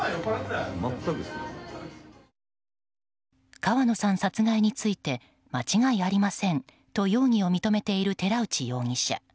川野さん殺害について間違いありませんと容疑を認めている寺内容疑者。